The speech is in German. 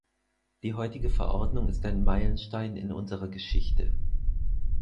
Die heutige Verordnung ist ein Meilenstein in unserer Geschichte.